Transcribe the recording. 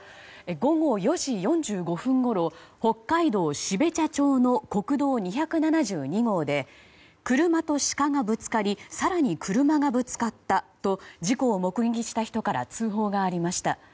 午後４時４５分ごろ北海道標茶町の国道２７２号で車とシカがぶつかり更に車がぶつかったと事故を目撃した人から通報がありました。